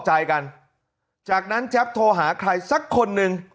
ใจกันจากนั้นแจ๊บโทรหาใครสักคนหนึ่ง